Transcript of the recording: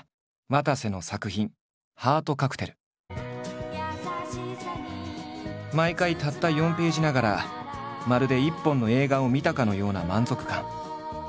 わたせの作品毎回たった４ページながらまるで一本の映画を見たかのような満足感。